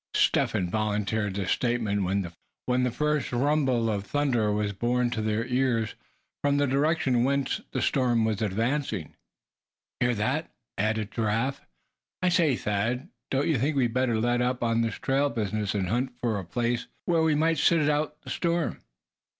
Step Hen volunteered this statement, when the first rumble of thunder was borne to their ears from the direction whence the storm was advancing. "Hear that," added Giraffe, and then he went on: "I say, Thad, don't you think we'd better let up on this trail business, and hunt for a place where we might sit out the storm?"